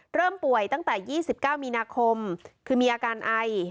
เริ่มป่วยตั้งแต่ยี่สิบเก้ามีนาคมคือมีอาการไอ